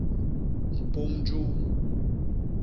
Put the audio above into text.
Mpôm juu.